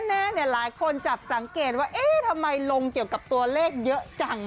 แต่ที่แน่หลายคนจะสังเกตว่าทำไมลงเกี่ยวกับตัวเลขเยอะจัง